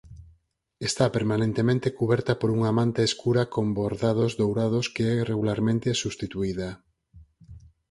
Está permanentemente cuberta por unha manta escura con bordados dourados que é regularmente substituída.